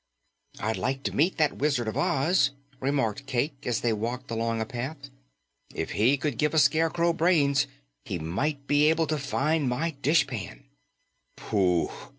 "I'd like to meet that Wizard of Oz," remarked Cayke as they walked along a path. "If he could give a Scarecrow brains, he might be able to find my dishpan." "Poof!"